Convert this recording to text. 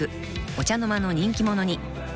［お茶の間の人気者に］